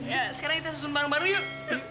ya sekarang kita susun barang baru yuk